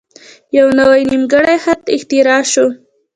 یوه نوی نیمګړی خط اختراع شو.